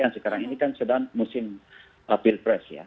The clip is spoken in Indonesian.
yang sekarang ini kan sedang musim pilpres ya